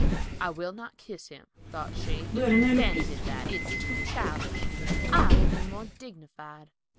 "I will not kiss him," thought she; "Fanny did that. It's too childish. I'll he more dignified."